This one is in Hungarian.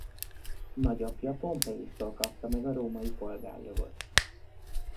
Nagyapja Pompeiustól kapta meg a római polgárjogot.